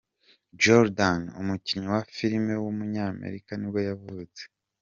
Jordan, umukinnyi wa filime w’umunyamerika nibwo yavutse.